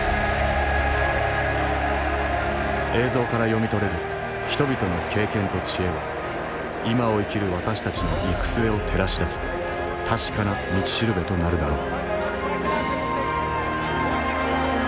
映像から読み取れる人々の経験と知恵は今を生きる私たちの行く末を照らし出す確かな道しるべとなるだろう。